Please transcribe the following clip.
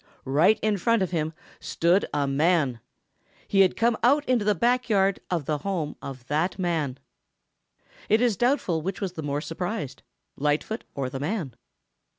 Right in front of him stood a man. He had come out into the back yard of the home of that man. It is doubtful which was the more surprised, Lightfoot or the man.